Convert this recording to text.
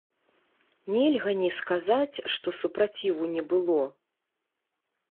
Нельга не сказаць, што супраціву не было.